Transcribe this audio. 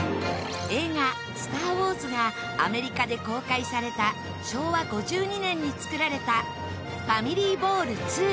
映画『スターウォーズ』がアメリカで公開された昭和５２年に作られた『ファミリーボールⅡ』。